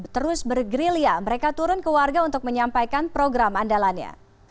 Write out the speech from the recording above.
terus bergerilya mereka turun ke warga untuk menyampaikan program andalannya